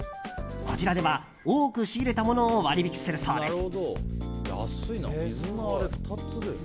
こちらでは多く仕入れたものを割引するそうです。